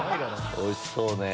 おいしそうね。